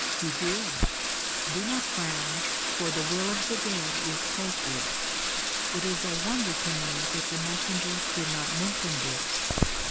"He did. Do not frown, for the will of the dead is sacred. It is a wonder to me that the messengers did not mention this."